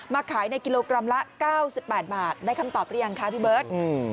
ขายในกิโลกรัมละ๙๘บาทได้คำตอบหรือยังคะพี่เบิร์ต